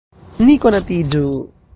Ni konatiĝu.